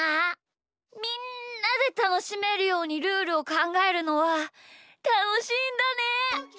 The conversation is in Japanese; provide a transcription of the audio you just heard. みんなでたのしめるようにルールをかんがえるのはたのしいんだね！